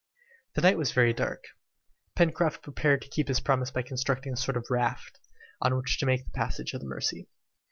The night was very dark. Pencroft prepared to keep his promise by constructing a sort of raft, on which to make the passage of the Mercy.